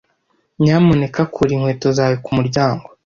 Nyamuneka kura inkweto zawe kumuryango.